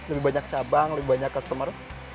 lebih banyak cabang lebih banyak customer